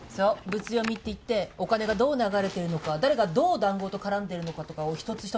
ブツ読みっていってお金がどう流れてるのか誰がどう談合と絡んでるのかとかを一つ一つ確認していくの。